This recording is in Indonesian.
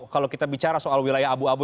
kalau kita bicara soal wilayah abu abu